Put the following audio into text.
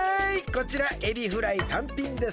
こちらエビフライたんぴんです。